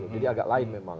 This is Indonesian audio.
jadi agak lain memang